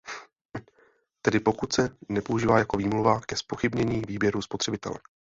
Tedy pokud se nepoužívá jako výmluva ke zpochybnění výběru spotřebitele.